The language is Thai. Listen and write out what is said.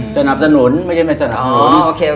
สนับสนุนไม่ใช่ไม่สนับสนุน